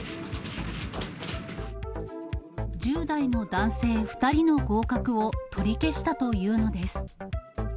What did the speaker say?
１０代の男性２人の合格を取り消したというのです。